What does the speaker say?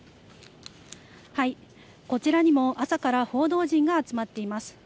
こちらにも、朝から報道陣が集まっています。